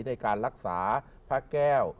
ในการรักษาพระแก้ว